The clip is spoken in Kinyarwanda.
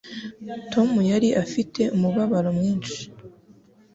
Tom yari afite umubabaro mwinshi